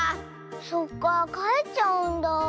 そっかかえっちゃうんだ。